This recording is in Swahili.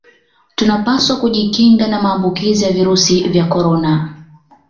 tunapaswa kujikinga na maambukizi ya virusi vya korona